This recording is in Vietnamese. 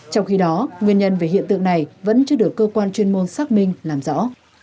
trong khi đó nguyên nhân về hiện tượng này vẫn chưa được cơ quan chuyên môn xác minh làm rõ